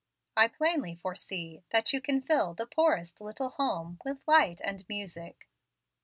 "I plainly foresee that you can fill the poorest little home with light and music."